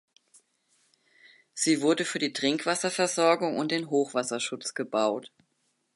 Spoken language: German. Sie wurde für die Trinkwasserversorgung und den Hochwasserschutz gebaut.